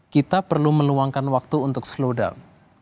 kita perlu meluangkan waktu untuk slow down